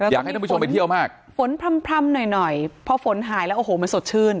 อยากให้ท่านผู้ชมไปเที่ยวมากฝนพร่ำหน่อยหน่อยพอฝนหายแล้วโอ้โหมันสดชื่น